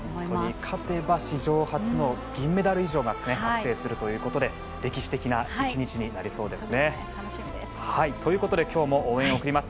勝てば史上初の銀メダル以上が確定するということで歴史的な１日になりそうですね。ということで今日も応援を送ります。